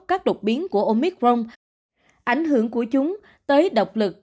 các đột biến của omicron ảnh hưởng của chúng tới độc lực